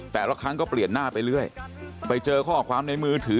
แต่ละครั้งก็เปลี่ยนหน้าไปเรื่อยไปเจอข้อความในมือถือ